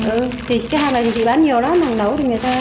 ừ thì cái hàng này thì bán nhiều lắm hàng lẩu thì người ta ăn nhiều